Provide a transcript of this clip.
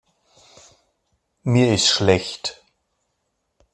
Mir ist schlecht.